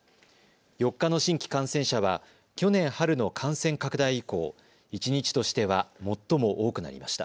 ４日の新規感染者は去年春の感染拡大以降、一日としては最も多くなりました。